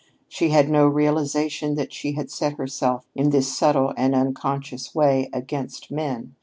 She had no realization that she had set herself in this subtle and subconscious way against men.